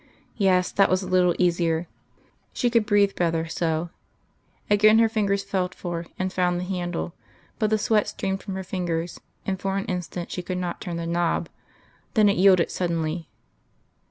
Yes, that was a little easier; she could breathe better so. Again her fingers felt for and found the handle, but the sweat streamed from her fingers, and for an instant she could not turn the knob. Then it yielded suddenly....